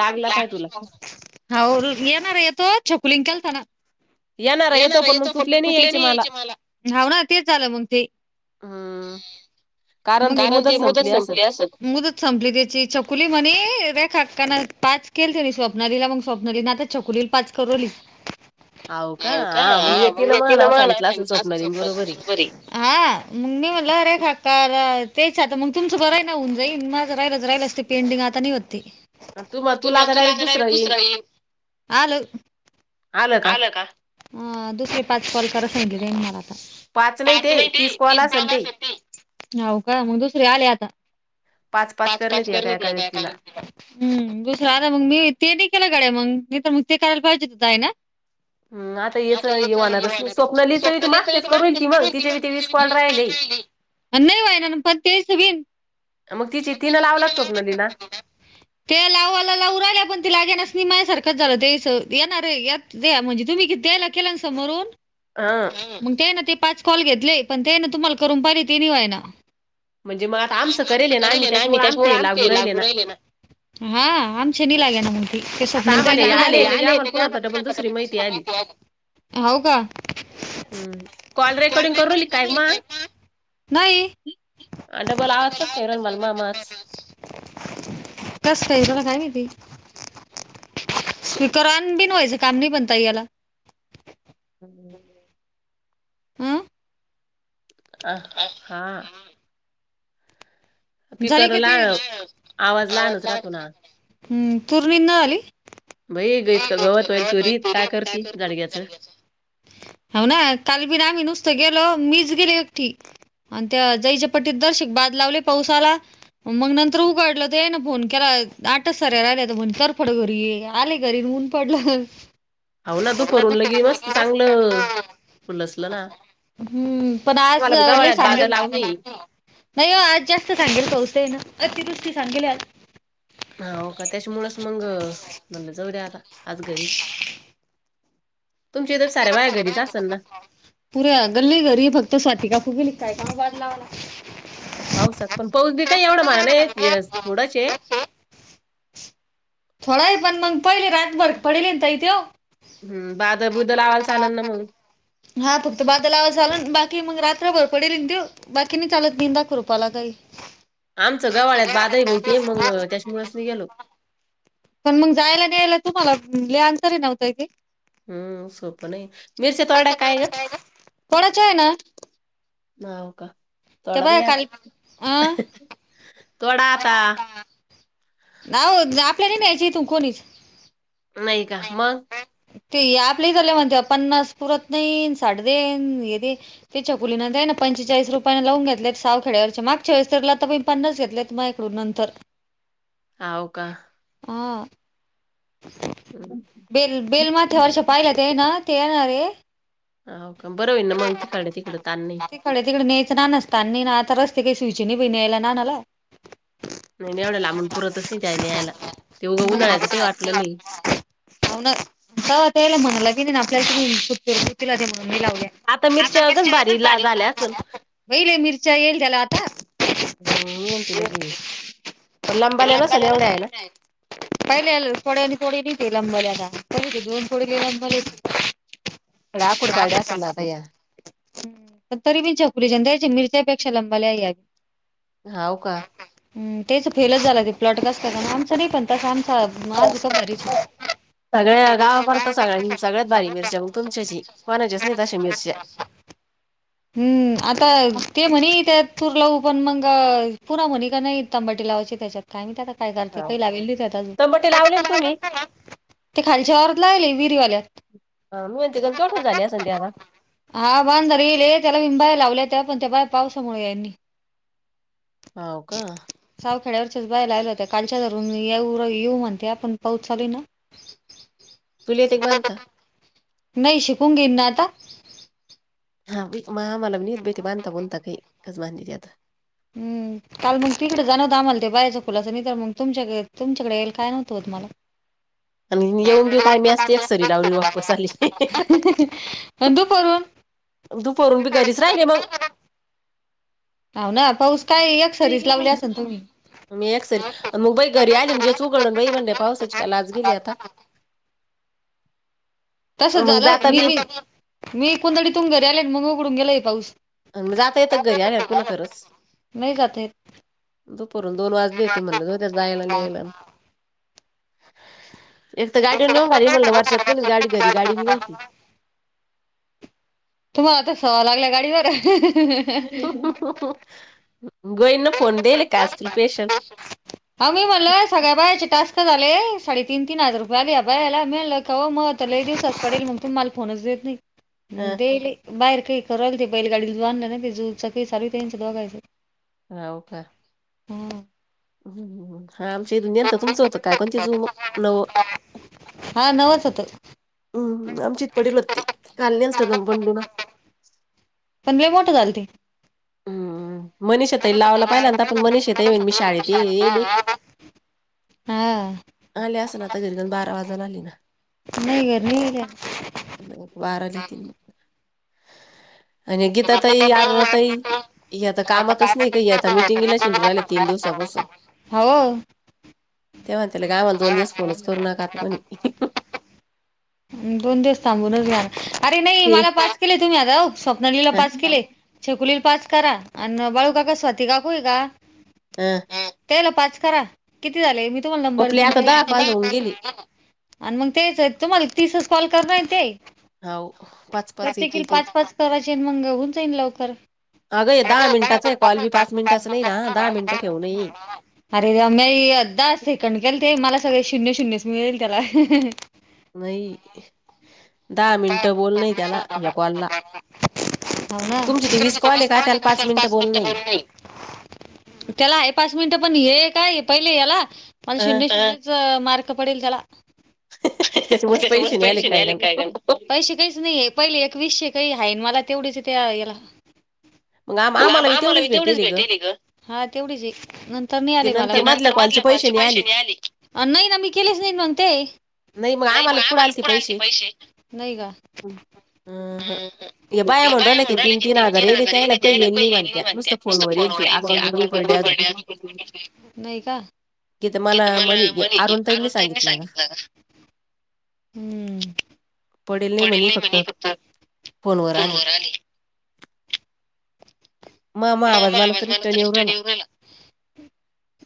लागला पाय तुला हाव येणार येतो छकुलीनकेलताना येणार येतो पण म तुकल्या नाही यायचे मला हाव ना ते झालं मग ते हम्म कारण ति मुदत संपली आसण मुदत संपली तिचि मुदत छकुलिम्हणि रे काकाना पाच केल तरी स्वप्नालीला मग स्वप्नाली ना आता छकुलिला पाच करू राहिली. हाव हो का मी हा मग तिनं माझं तिला माय नाव असेल सांगितलं असत स्वप्नालीन शब्द आहे बरोबर हे लावारे एक हात कार तेच आता मग तुमचं बरं आहे ना होऊन जाईन माझं राहिलंच राहिलंच ते पेंडिंग आता नाही होत ते तु तू आता तुला डायरेक्ट काय लगेच दुसरं येईन दुसरा येईल, आल. आलं का हा दुसर पाच कॉल करायला सांगितले मला पाच नाही पाच नाही ते तीस तिस असन कॉल ते असत्यात ते हाउका मग दुसरे आले आता पाच पाच करलेहोत एका एकानं हु दुसर आलं मग मी ते नाही केला मग तर मग ते करायला पाहिजे होत आहे ना [inaudible] हम आता याच ये होणारच नाही, स्वप्नालिच मागचे करू राहिलि ती मग तिच्या ते वीस कॉल राहिले. नाही होगा ना पण तेरेसे बीन मग तिची तिनं लावला स्वप्नालिला ते लावायला लावु राहिल्या पण ते लागे नाच नि मायासारखंच झालं ते स या ना रे या म्हणजे तुम्ही किती द्यायला केल्या समोरून? हा मग ते ना ते पाच कॉल घेतले पण ते ना तुम्हाला करून पहिले ते नाहि होई ना आमचं करेल ना आम्ही त्याच्यामुळे आमचे लागू राहिले ना हा आमच्या नि लागे ना ते आता स्वप्नालि आम्हाला हे ताई लगे आले आम्हाला पुन्हा आता होते. डबल दुसरि माहिती आली हो का हम्म कॉल रेकॉर्डिंग करूली राहिलि काय मग नाही आ डबल आवाज कसा काय येऊ राहिला मल मायाच? कसय तला काय घेति [unintelligible] स्पीकर ऑन बिन व्हायचं काम नाही बणता याला हम्. हु अअ अ हा आ. झाली का ती लहान आवाज हम्आवाज लहानच राहतो ना. लहान पूर्णी न आली बाई गत गवत वाईल तू रीत काय करते जाडग्याचं हो ना कालबीन आम्ही नुसत गेलो मीच ग त्या जच्या पट्टी दर्शक बा लावलेत पाऊसाला मग नंतर उघडलं तर यांनं ना फोन केला आठच सऱ्या राहिल्या तर म्हण तरफड घरि आले घरी ऊन पडलं हं हाव ना तू फरून लगे मस्त चांगलं फुलसलं ना. हम्म पण आज मला लय नाही गवाळ्यात सांगे बाधा लावूनये. नाही हो आज जास्त सांगे स् ना अति दुसती सांगेली आ हा हो का त्याच्यामुळच मग म्हणलं जाऊ द्या आता आज घरीची असल ना पुऱ्या गल्ली घरी फक्त स्वाती काकू गेली. काय काम काढला पाऊसात पण पाऊस बी काही एवढा मला नाही थोडाच ए थोडा आहे पण मग पहिले रातभर पडिले न ताई त्यो हम्म बादल बुदल लावायला चालल ना मग. हा फक्त बादलावर झाल बाकी मग रात् भर पडेल देऊ बाकीने चालत तीन लाख रुपाला काही आमचं गवाळ्यात बाधही बेवती मग त्याच्या निळेस म गेलो पण मग जायला नाही यायला तुम्हाला लय अंतर आहे न व ताई ते हम्म सोपं नाही मिरच्या तळल्या काय ग? कोणाच्या आहे ना माव का ते थोडा बघ भाई काल आता अं थोडा आता ना हो आपल्याने न्यायची तू कोणीच नायका मग? ते आपल्याही झाल्या म्हणते पन्नास पुरत नाहीन साडे तीन ये दे त्याच्या कुलीना दे पंचेचाळीस रुपयां लावून घेतलेत सावखेड्यावरचे मागचा वेळीस तर लता बाई पन्नास घेतलेत माझ्या कडून नंतर. हावका हा बेल बेल माथ्या वर्ष पाहिला ते ना ते येणारे हा का बरं होईल ना मग इकडे तिकड ताण नाही तिकडे [unintelligible] नाही नाही एवढ्या लांबून पुरतच नाही त्याय न्यायला ते उघं उन्हाळ्याचं काही वाटलं नाही. नवनाथ ह त्यातले म्हणाला न त्याला आता गण मिरच्या लावलं ला भारी झाल्या काम असन. झालं असेल व्हय लय मिरच्या येईल त्याला आता. [unintelligible] लंबाल्या पहिले नसन थोड्या एवढ्या आहे ना वेळानं तोडाय पहिली घेऊन गेली आणि थोडी मले कूडपाड्या असं ना आता या? ह पण तरी बी चछकुरीच्या द्यायचे मिरच्यापेक्षा लंबाल्या यावी हाव का म तेच फेलच झाला त प्लटगस्त कारण आमचां नाही पण तस आ सगळ्या गावापरत सगळ्यांनी सगळ्यात बारी मिरच्या मग तुमच्याची कोणाचीच नाही तश मिरच्या हम्म आता ते म्हणे त्या तूर लावू पण मग पुन म्हणीका नाही तांबाटी लावायची त्याच्यात का त्या काय करते हाव काही लागेल तिथे अजून तंबाटे लावले ना तुम्ही ते खालच्यावर लागले विहिरीवाल्या म्हणते का केवढी झाल असण ती आता बाहेर लावल्या त्या पण त्या बाहेर पावसामुळे ह्यांनी हाव का खेड्यावरच्याच बायला आयल्या होत्या कालच्या वरून येऊ येऊ म्हणते पण पाऊस चालू ना. तुला येते का बांधता? नाही शिकूंगी ना आता. हा भीत महा अमला हम् काल मग तिकडे जाणवतं आम्हाला ते बाऱयचं खुलाचं नाही तर मग तुमच्याकडे तुमच्याकडे याईल काय नव्हतं मला आणि येऊन बिऊ काय मी असते एक सरी लावली वापस आली. दुखन दुपारून बी घरीच राहिले मग. हाव ना पाऊस काय एक सरीच लावली असल तुम्ही. मी एक सरी मग बाई घरी आली म्हणजेच उघडण ब म्हण पावसाची त्यालाच गेली आता तस मग झालं जाता मी बी मी मी कोणतडी तुम घरी आले मग उघडून गेला पाऊस अ जाता येतं घरी आल्या पुन्हा खरंच नाही जाता येत दुपरून दोन वाजलीेते म्हणलं त त्या जायला आणि यायला एक तर गाडीवर नेऊन घाली म्हणल वर्षात कोणीच गाडी घरी गाडी मी नव्हती तुम्हाला आता सवय लागल्या गाडीवर गोईनना फोन देल का असतील पेशंट ह मी म्हणलय सगळ्या बा च टास्क झाले साडे तीन तीन हजार रुपया आली या बा याला मल का मग ल दिवस पडेल मग तुम्हाला फो येत नाही अ मग बाहेर काही करालती ते पहिली गाडीन ना ते चकळी सारं दोघायच राहू का हम हम् हा आमच्यांत तुमचं होतं काय कोणतीू नव हा नवच होतं हम्म आमची इत पडल होती काल नलत दम पंडना पण म मोठं झाल ते हम्म मनीषताई लावाला पाहिलांत आपण मनीष येता ये येईन मी शाळेत ये ग हा आले अस ना आता घरी जाण बारा वाजाला आली ना नाही घर नाही गेल्या नाही बाराली तीन महि आणि गीता तई आरुणा ताई ह आता कामातच नाही का आता मिटिंगला चिंडू राहिला तीन दिवसापासून हो ते म्हणते का आमला दोन दिवस फोनच करू नका आता कोणी दोन दिवस थांबूनच घ्याणार अरे नाही ते मला पास केले तुम्ही आता स्वप्नालीला अ पाच केले छकुलीला पाच करा आणि बाळू काका स्वाती काकूय का हम तेला पाच करा किती झाले मी तुम्हाला नंबर आपले दिन आता ते दहा कॉल होऊन गेले. आणि मग तेच आहेत तुम्हाला तीसच कॉल कर नाही ते हाव पाच पाच एक प्रत्येकी एक एक पाच पाच करायचे मंग उऊन जाईन लवकर अगं दहा मिनिटाचा आहे कॉल बी पाच मिनिटाच नाही ना दहा मिनिटं ठेवूनय अरेम््याई अधदा सेकंड केल ते मला सगळे शून्य शून्यच मिळेल त्याला नाही दहा मिनटं बोल नाही त्यांना यकवालला ु घंट्या पाच मिनिट भरून नाही त्याला आहे पाच मिनिटं पण हे काय पहिले याला मला अं, शून्य श मार्क पडेल त्याला त्याच्या मस पै श पैसे नाही आले काय पैसे काहीच नाही आहे पहिले एक वीसशे काही आहे मला तेवढेच त्या याला मग आम आम्हाला मी तेवढीच भेटेल ग हा तेवढीच एक तर म ते आले मला मधल्या नंतर कॉलचे मधचे नाही पैसे आले निळाले नाही ना मी केलेच नाही मण ते नाही मग मामलापूड आल पैसे नाही का अहं. हे बाया म्हणून राहि क तीन तीन हजार येले त्यायलायहीईल म्हणत्या नुसत फो व येल ते अकाउंटर पड नाही का [inaudible] किथ मला म्ह अरुणताईनी सांगितलं का? [inaudible] हम्म पडेल नाही म्हणे फक्त फोनवर आले. मामा आवाज तर मला रिटर्न तरिच येऊ राहिला येऊन आला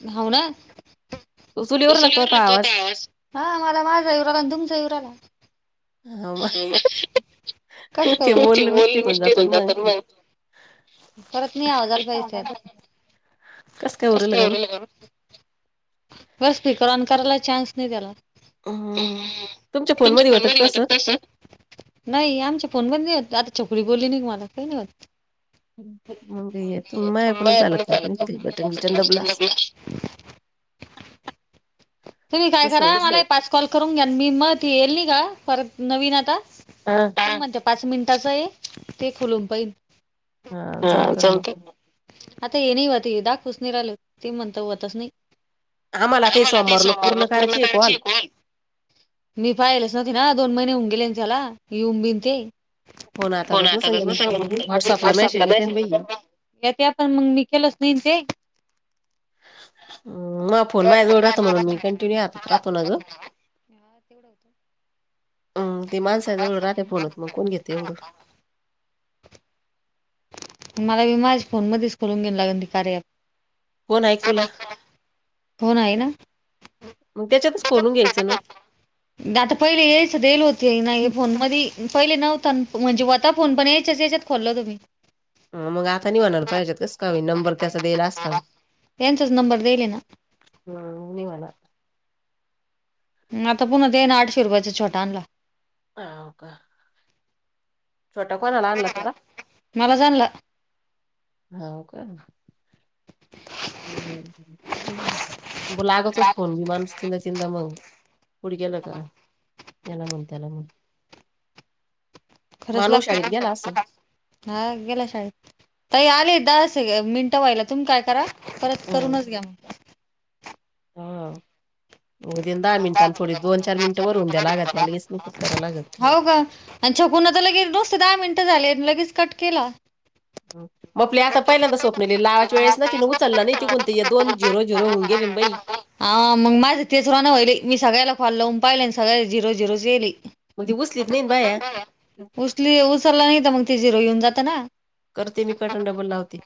भाव ना. तो तुला येऊ तु राहिला का तो आता आवाज आवा हा मला मा जाऊ आला तुमचाऊला [inaudible] हा मग ते तु बोलणं बोल मिस्टेक मिष्टिर जातं होऊन ना जातात मग परत मी आवाजाला पाैच कस काय उरेल गण ब स्पीकर ऑन करायला चान्स नाही त्याला ना तुमच्या फोनमध्ये होतं फनमारी का होता. तसं नाही आमच्या फोन पणत आता छोकरी बोलली नाही मला काही नाही होत. मग तू मागऐकच चाल बटन दबलं. [unintelligible] तुम्ही काय करा मला एक पाच कॉल करून घ्या मी मग त येईल नाही का परत नवीन आता हा का म्हणते पाच मिनिटाच आहे ते खुलून पईल. हा जमत म आता ये नाही होत ये दा कुसणी राहिल ते म्हणत होतच नाही. आम्हाला आ आता हे मला ते लोक सोमवार ना पूर्ण करायची कराची कॉल एककूवाल मी पाहिलेच नवते ना दोन महिने होऊन गेले त्याला येऊन बिन ते फोन आता होण तसं आताातच सांगेल ना व्हॉट्सअपला सग. मेसेज येते ना बाई या ते आपण मग मी केलंच नाही ते मग फोन माझ्याजवळ राहत म्हणून मी कंटिन्यू राहात राहतो अजो. हा तेवढं होतं. अम् तेी माणसाजवळ राे फोल होत मग कोण घेते एवढं. मला विी माझ फोन मध्येच करून घेऊन लागल ती कार्यात कोण ऐक तुला फोन आहे ना. मग त्याच्यातच खोलून घ्यायचं ना. आता पहिले यायच देल होती ना हे फोन मध पहिले नव्हता म्हणजे होता फोन पण याच्याच याच्यात खोलल तुम्ही मग आता नाही म्हणाला पाहिजत कस का नंबर त्याचा दला असता. त्यांचाच नंबर देले ना हम् निवाला आता पुन्हा ते ना आठ फिरवायच छोट्यांला ह का? छोटा कोणाला आणला तेला मलाच आणला. हा का? लागतोस फोन बी मानस चिता चिताा मग पुडग्याला का याला म्हण त्याला म्हण. खरंच मानव शाळेत लागत गेला असल हा गेला शाळेत- तही आले दहा मिनटं व्हायला तुम् काय करा परत हम्म करूनच घ्या मग हा. उदन दहा मिनिटां थोडी दोन चार मिनिटं वरून द्या लागत त्या लगेच म कुट करा लागत. हो का. आणि छकून आ तर लगेच नुसते दहा मिनिटं झाले लगेच कट केला. मग आपल्या आता पहिल्यांदा स्वप् लावा वेस ना तिनं उचललं नाही त कोणत दोन झिरो जररो हऊंगे लण बई हा मग माझ तेचर व्हाले मी सगळ्याला कॉल लावन पाहिले सगळ झिरो झिरो येली. मग ती उचलीत नाही ना बाया उसली उचलला नाही तर मग ते झिरो येऊन जात ना. करते मी कटणडबल लावते.